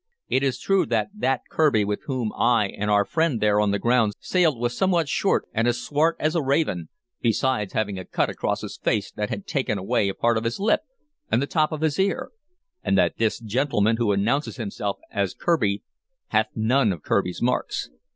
"It is true that that Kirby with whom I and our friend there on the ground sailed was somewhat short and as swart as a raven, besides having a cut across his face that had taken away a part of his lip and the top of his ear, and that this gentleman who announces himself as Kirby hath none of Kirby's marks.